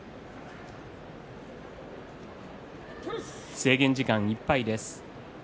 制限時間いっぱいです。